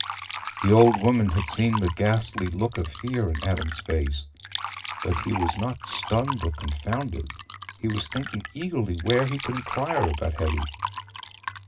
The old woman had seen the ghastly look of fear in Adam's face. But he was not stunned or confounded: he was thinking eagerly where he could inquire about Hetty.